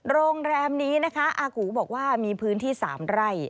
โรงแรมนี้นะคะอากูบอกว่ามีพื้นที่๓ไร่